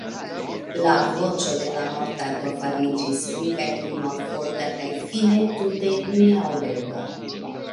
La voĉo de la mortanto fariĝis pli kaj pli malforta kaj fine tute neaŭdebla.